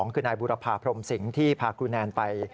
คือนายบุรพาพรมสิงที่พาครูแนนไป